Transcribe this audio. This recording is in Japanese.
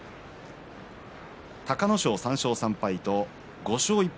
隆の勝３勝３敗と５勝１敗